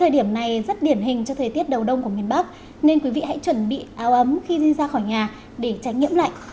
điểm này rất điển hình cho thời tiết đầu đông của miền bắc nên quý vị hãy chuẩn bị áo ấm khi đi ra khỏi nhà để tránh nhiễm lạnh